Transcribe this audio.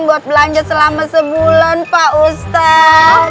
buat belanja selama sebulan pak ustadz